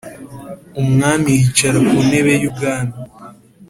Umwami yicara ku ntebe y ubwami